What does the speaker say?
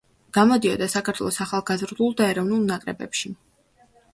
გამოდიოდა საქართველოს ახალგაზრდულ და ეროვნულ ნაკრებებში.